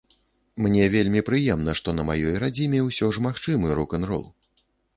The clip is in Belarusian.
Мне вельмі прыемна, што на маёй радзіме ўсё ж магчымы рок-н-рол.